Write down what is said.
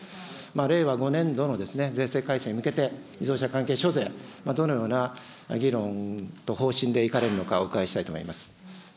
令和５年度の税制改正に向けて、自動車関係諸税、どのような議論と方針でいかれるのか、お伺いしたいと思います。